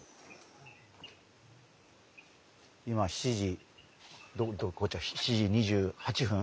今７時７時２８分？